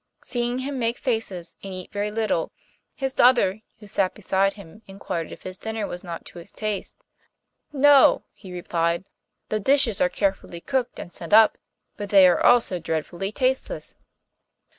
Seeing him make faces, and eat very little, his daughter, who sat beside him, inquired if his dinner was not to his taste. 'No,' he replied, 'the dishes are carefully cooked and sent up, but they are all so dreadfully tasteless.